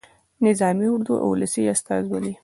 نظامي اردو او ولسي استازولي.